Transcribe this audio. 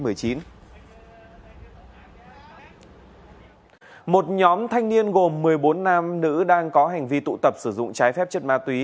một nhóm thanh niên gồm một mươi bốn nam nữ đang có hành vi tụ tập sử dụng trái phép chất ma túy